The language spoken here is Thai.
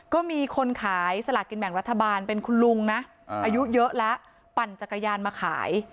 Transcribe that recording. ก็มีคนขายสลากินแบ่งรัฐบาลเป็นคุณลุงนะอายุเยอะแล้วปั่นจักรยานมาขาย